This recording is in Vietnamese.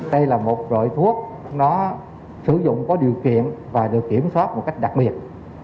đây là một loại thuốc nó sử dụng có điều kiện và được kiểm soát một cách đặc biệt